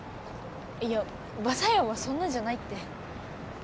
いやバサやんはそんなんじゃないって。